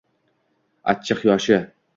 Achchiq yoshi